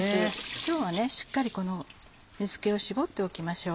今日はしっかりこの水気を絞っておきましょう。